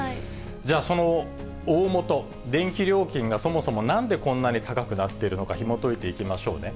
じゃあ、その大元、電気料金がそもそもなんでこんなに高くなっているのか、ひもといていきましょうね。